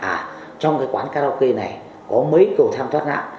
à trong cái quán karaoke này có mấy cầu thang thoát nạn